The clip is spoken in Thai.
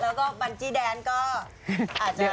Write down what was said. แล้วก็บัญชีแดนก็